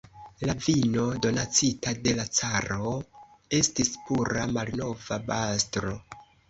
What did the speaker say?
La vino, donacita de la caro, estis pura malnova bastro.